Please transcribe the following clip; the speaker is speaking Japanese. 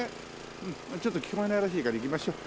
ちょっと聞こえないらしいから行きましょう。